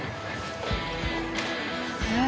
えっ？